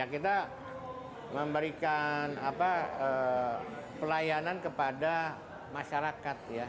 kita memberikan pelayanan kepada masyarakat ya